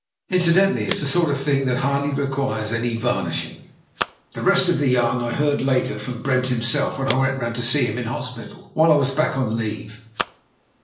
Incidentally, it's the sort of thing that hardly requires any varnishing. The rest of the yarn I heard later from Brent him self, when I went round to see him in hospital, while I was back on leave.